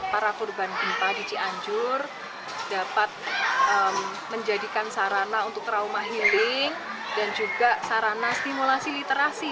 para korban gempa di cianjur dapat menjadikan sarana untuk trauma healing dan juga sarana stimulasi literasi